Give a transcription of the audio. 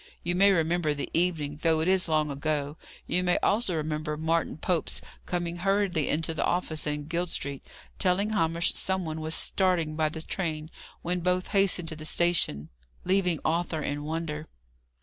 You may remember the evening, though it is long ago. You may also remember Martin Pope's coming hurriedly into the office in Guild Street, telling Hamish some one was starting by the train; when both hastened to the station, leaving Arthur in wonder.